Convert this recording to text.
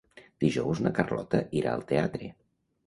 Dijous na Carlota irà al teatre.